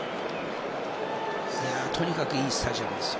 とにかくいいスタジアムですよ。